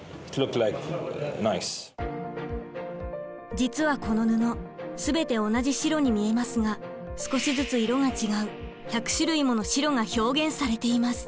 実はこの布全て同じ白に見えますが少しずつ色が違う１００種類もの白が表現されています。